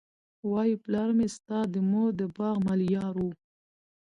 وايي پلار مي ستا د مور د باغ ملیار وو